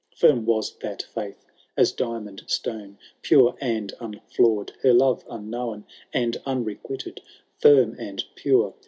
Firm was that fiuihy as diamond stone Pure and unflaw*d, — ^her love unknown, And unrequited ;— firm and pure.